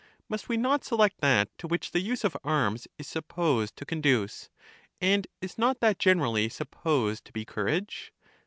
Must we not select that to which the use of arms is supposed to conduce? And is not that gen erally supposed to be courage?